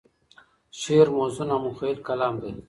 شعر موزون او مخیل کلام دی.